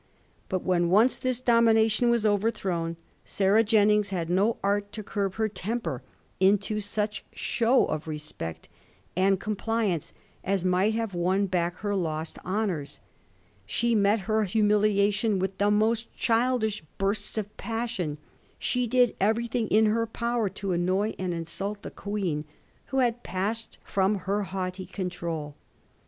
But when once this domination was overthrown Sarah Jennings had no art to curb her temper into such show of respect and compliance as might have won back her lost honours. She met her humiliation with the most childish bursts of passion ; she did everything in her power to annoy and insult the Queen who had passed firom her haughty control.